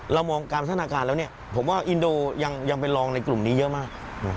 เรามองการพัฒนาการแล้วผมว่าอินโดยังเป็นรองในกลุ่มนี้เยอะมาก